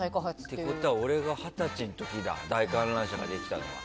ということは俺が二十歳の時だ大観覧車ができたのは。